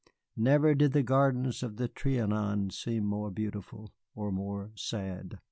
Never did the gardens of the Trianon seem more beautiful, or more sad.